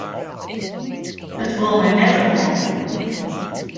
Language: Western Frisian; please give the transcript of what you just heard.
It wol my net oan.